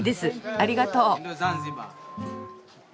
ありがとう。